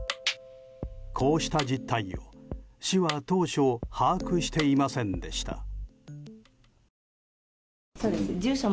こうした実態を市は当初把握していませんでした。